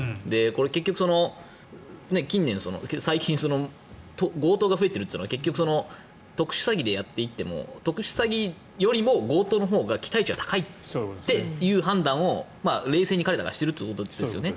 結局、最近強盗が増えているというのは結局、特殊詐欺でやっていっても特殊詐欺よりも強盗のほうが期待値は高いっていう判断を冷静に彼らがしているということですよね。